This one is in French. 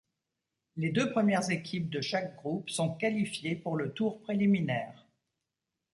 Les deux premières équipes de chaque groupe sont qualifiées pour le tour préliminaire.